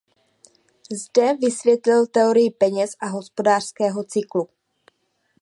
Zde vysvětlil teorii peněz a hospodářského cyklu.